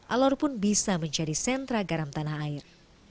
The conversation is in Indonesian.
alor pun bisa menjadi sentra garam tanah air